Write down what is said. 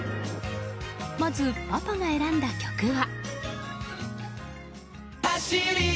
まず、パパが選んだ曲は。